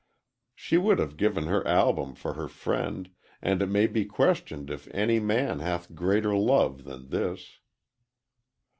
She would have given her album for her friend, and it may be questioned if any man hath greater love than this.